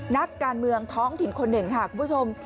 นักการเมืองท้องถิ่นคนหนึ่งค่ะคุณผู้ชม